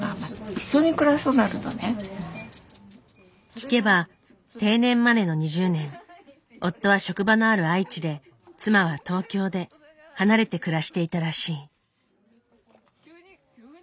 聞けば定年までの２０年夫は職場のある愛知で妻は東京で離れて暮らしていたらしい。